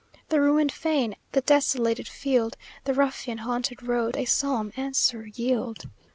The ruined fane, the desolated field, The ruffian haunted road, a solemn answer yield.